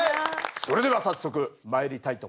それでは早速まいりたいと思います。